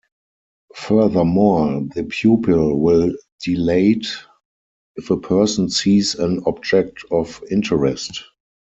Furthermore, the pupil will dilate if a person sees an object of interest.